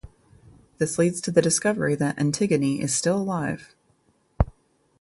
This leads to the discovery that Antigone is still alive.